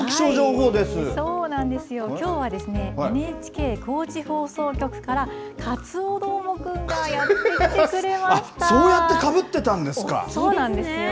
そうなんですよ、きょうはですね、ＮＨＫ高知放送局から、カツオどーもくんがやって来てくれそうやってかぶってたんですそうなんですよ。